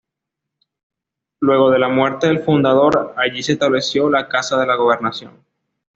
Luego de la muerte del fundador, allí se estableció la Casa de la Gobernación.